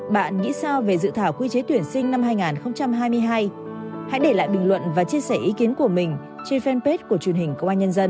bạn nghĩ sao về dự thảo quy chế tuyển sinh năm hai nghìn hai mươi hai hãy để lại bình luận và chia sẻ ý kiến của mình trên fanpage của truyền hình công an nhân dân